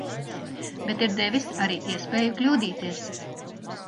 Bet ir devis arī iespēju kļūdīties.